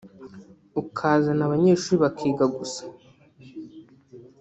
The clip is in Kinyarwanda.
ukazana Abanyeshuri bakiga gusa